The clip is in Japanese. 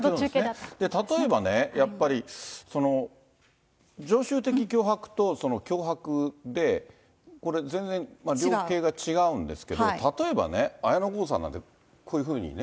例えばね、やっぱり常習的脅迫と、脅迫で、これ、全然量刑が違うんですけど、例えばね、綾野剛さんなんて、こういうふうにね。